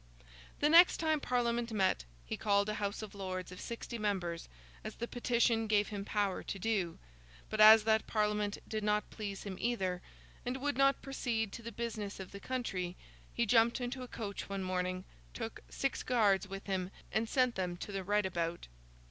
The next time the Parliament met, he called a House of Lords of sixty members, as the petition gave him power to do; but as that Parliament did not please him either, and would not proceed to the business of the country, he jumped into a coach one morning, took six Guards with him, and sent them to the right about.